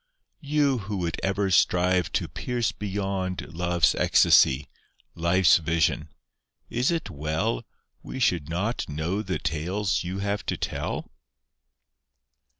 You who would ever strive to pierce beyond Love's ecstacy, Life's vision, is it well We should not know the tales you have to tell?